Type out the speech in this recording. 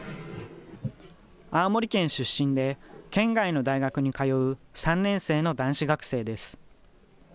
青森県出身で、県外の大学に通う３年生の男子学生です。